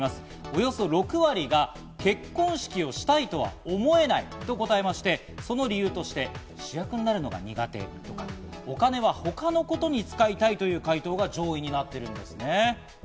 およそ６割が結婚式をしたいとは思えないと答えまして、その理由として主役になるのが苦手とか、お金は他のことに使いたいという回答が上位になっています。